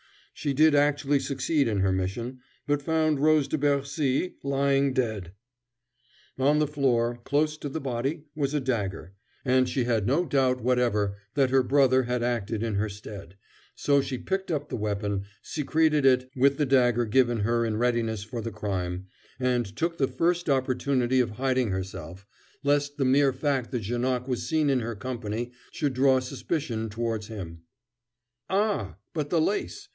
She did actually succeed in her mission, but found Rose de Bercy lying dead. On the floor, close to the body, was a dagger, and she had no doubt whatever that her brother had acted in her stead, so she picked up the weapon, secreted it with the dagger given her in readiness for the crime, and took the first opportunity of hiding herself, lest the mere fact that Janoc was seen in her company should draw suspicion towards him. "Ah, but the lace?